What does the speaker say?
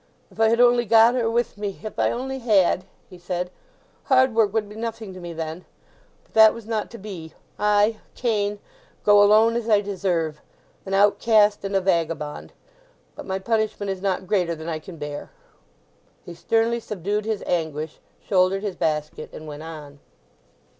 "If I had only got her with me—if I only had!" he said. "Hard work would be nothing to me then! But that was not to be. I—Cain—go alone as I deserve—an outcast and a vagabond. But my punishment is not greater than I can bear!" He sternly subdued his anguish, shouldered his basket, and went on.